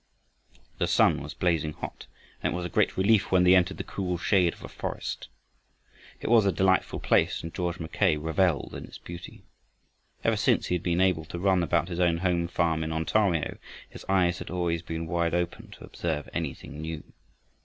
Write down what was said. The sun was blazing hot, and it was a great relief when they entered the cool shade of a forest. It was a delightful place and George Mackay reveled in its beauty. Ever since he had been able to run about his own home farm in Ontario his eyes had always been wide open to observe anything new.